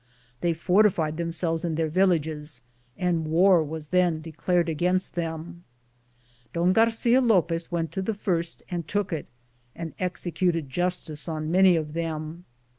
They fortified themselves in their villages, and war was then declared against them. Don Garcia Lopez went to the first and took it and executed justice on many of them.